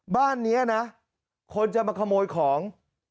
บ้านนี้นะคนจะมาขโมยของ